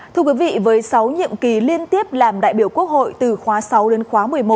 thưa quý vị với sáu nhiệm kỳ liên tiếp làm đại biểu quốc hội từ khóa sáu đến khóa một mươi một